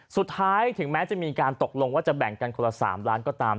สุดท้ายถึงแม้จะมีการตกลงว่าจะแบ่งกันคนละ๓ล้านก็ตาม